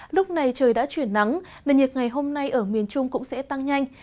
lúc này trời đã chuyển nắng nền nhiệt ngày hôm nay ở miền trung cũng sẽ tăng nhanh